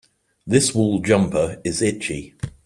This wool jumper is itchy.